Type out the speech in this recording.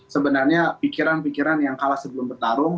sebenarnya pikiran pikiran yang kalah sebelum bertarung